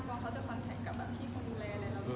ต้องก็จะคนแทคกับอาทิตย์คนดูแล